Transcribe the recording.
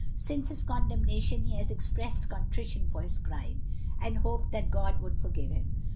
Since his condemnation he has expressed contrition for his crime, and hoped that God would forgive him.